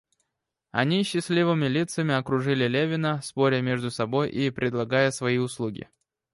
Они с счастливыми лицами окружили Левина, споря между собой и предлагая свои услуги.